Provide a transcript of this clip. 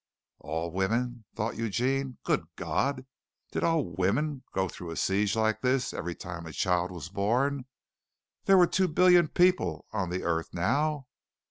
"All women," thought Eugene. Good God! Did all women go through a siege like this every time a child was born? There were two billion people on the earth now.